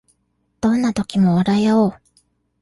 どんな時も笑いあおう